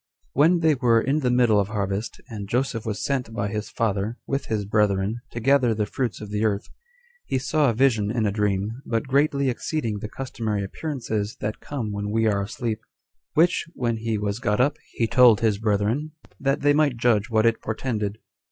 When they were in the middle of harvest, and Joseph was sent by his father, with his brethren, to gather the fruits of the earth, he saw a vision in a dream, but greatly exceeding the customary appearances that come when we are asleep; which, when he was got up, he told his brethren, that they might judge what it portended.